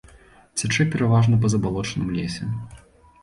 Цячэ пераважна па забалочаным лесе.